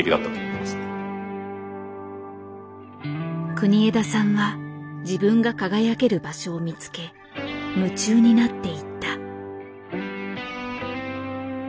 国枝さんは自分が輝ける場所を見つけ夢中になっていった。